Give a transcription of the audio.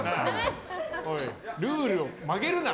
おい、ルールを曲げるな！